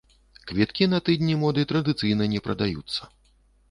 Квіткі на тыдні моды традыцыйна не прадаюцца.